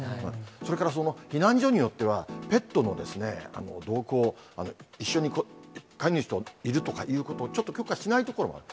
それからその避難所によっては、ペットの同行、一緒に飼い主といるとかいうことを、ちょっと許可しない所もある。